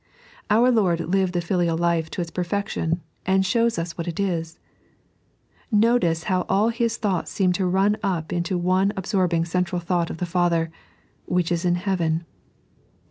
Our Lord lived the filial life to its perfection, and shows us what it is. Notice bow all His thoughts seem to run up into the one absorbing central thought of the Father, " which is in Heaven."